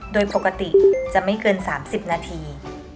โดยปกติจะไม่เกิน๓๐นาที